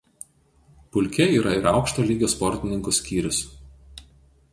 Pulke yra ir aukšto lygio sportininkų skyrius.